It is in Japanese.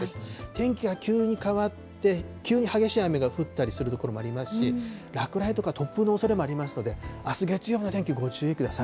天気が急に変わって、急に激しい雨が降ったりする所もありますし、落雷とか突風のおそれもありますので、あす月曜の天気にご注意ください。